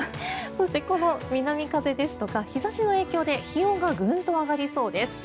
そしてこの南風ですとか日差しの影響で気温がグンと上がりそうです。